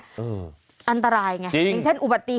วันนี้จะเป็นวันนี้